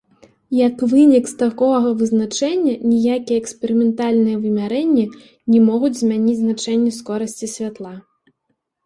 Як вынік з такога вызначэння, ніякія эксперыментальныя вымярэнні не могуць змяніць значэнне скорасці святла.